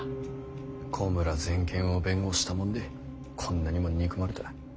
小村全権を弁護したもんでこんなにも憎まれた。